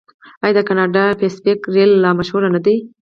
آیا د کاناډا پیسفیک ریل لار مشهوره نه ده؟